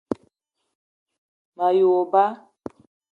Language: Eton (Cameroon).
Me ye wo ba